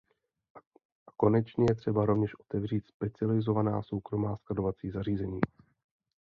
A konečně je třeba rovněž otevřít specializovaná soukromá skladovací zařízení.